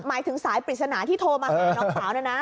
หมายถึงสายปริศนาที่โทรมาให้น้องขาวน่ะนะ